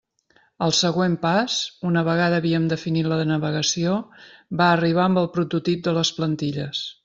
El següent pas, una vegada havíem definit la navegació, va arribar amb el prototip de les plantilles.